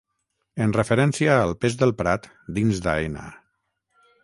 en referència al pes del Prat dins d'Aena